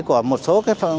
của một số